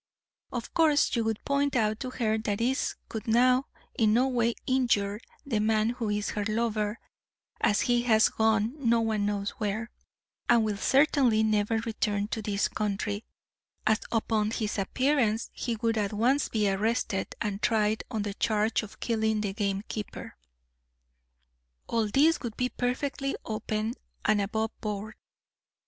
Of course you would point out to her that this could now in no way injure the man who is her lover, as he has gone no one knows where, and will certainly never return to this country, as upon his appearance he would at once be arrested and tried on the charge of killing the gamekeeper. All this would be perfectly open and above board.